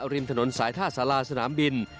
ริมถนนสายท่าสาราสนามบิน